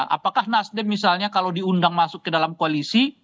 apakah nasdem misalnya kalau diundang masuk ke dalam koalisi